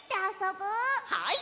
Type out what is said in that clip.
はい！